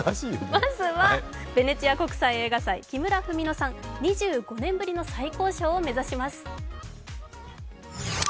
まずはヴェネチア国際映画祭、木村文乃さん、２５年ぶりの最高賞を目指します。